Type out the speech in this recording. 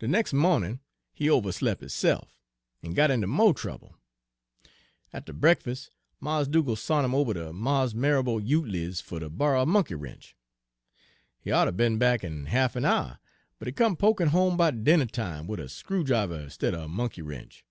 "De nex' mawnin' he overslep' hisse'f, en got inter mo' trouble. Atter breakfus', Mars' Dugal' sont 'im ober ter Mars' Marrabo Utley's fer ter borry a monkey wrench. He oughter be'n back in ha'f a' hour, but he come pokin' home 'bout dinner time wid a screwdriver stidder a monkey wrench.